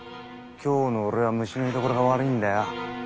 今日の俺は虫の居所が悪いんだよ。